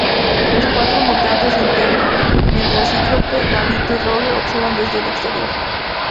Los cuatro mutantes se internan, mientras Cíclope, Gambito y Rogue observan desde el exterior.